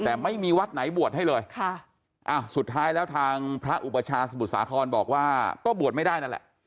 แต่ไม่มีวัดไหนบวชให้เลยค่ะอ้าวสุดท้ายแล้วทางพระอุปชาสมุทรสาครบอกว่าก็บวชไม่ได้นั่นแหละ